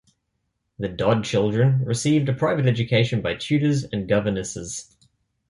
The Dod children received a private education by tutors and governesses.